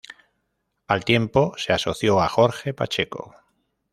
Al tiempo se asoció a Jorge Pacheco.